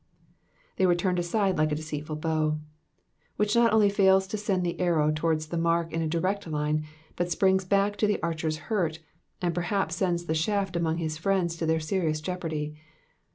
*'They were turned aside like a deceitful bow,^'' which not only fails to send the arrow towards the mark in a direct line, but springs back to the archer's hurt, and perhaps sends the shaft among his friends to their serious jeopardy.